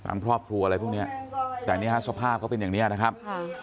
ทางพรอบครัวอะไรพวกเนี้ยแต่เนี้ยภาพก็เป็นอย่างเนี้ยนะครับ